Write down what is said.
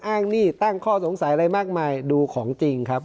หนี้ตั้งข้อสงสัยอะไรมากมายดูของจริงครับ